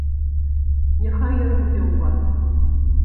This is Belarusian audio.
Няхай ён будзе ў вас.